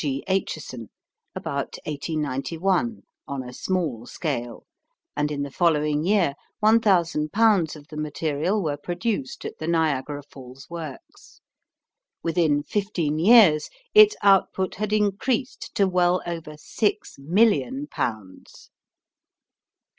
G. Acheson, about 1891 on a small scale, and in the following year 1,000 pounds of the material were produced at the Niagara Falls works. Within fifteen years its output had increased to well over six million pounds.